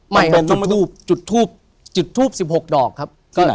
ไม่ครับจุดทูปจุดทูป๑๖ดอกครับ